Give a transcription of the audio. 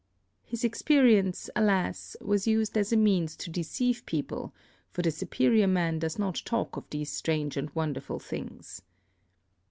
His experience, alas! was used as a means to deceive people, for the Superior Man does not talk of these strange and wonderful things.